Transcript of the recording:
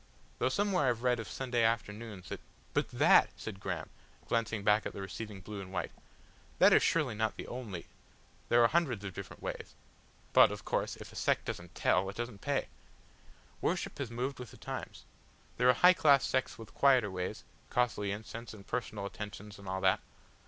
Though somewhere I've read of Sunday afternoons that " "But that," said Graham, glancing back at the receding blue and white. "That is surely not the only " "There are hundreds of different ways. But, of course, if a sect doesn't tell it doesn't pay. Worship has moved with the times. There are high class sects with quieter ways costly incense and personal attentions and all that.